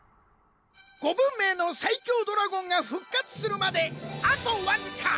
五文明の最強ドラゴンが復活するまであとわずか。